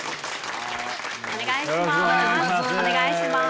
お願いします。